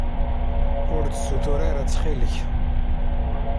Ur d-ssutur ara, ttxilk.